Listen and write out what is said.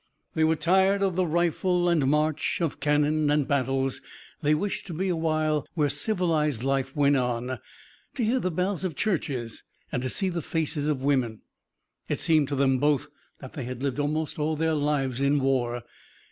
They were tired of the rifle and march, of cannon and battles. They wished to be a while where civilized life went on, to hear the bells of churches and to see the faces of women. It seemed to them both that they had lived almost all their lives in war.